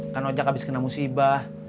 kan oja abis kena musibah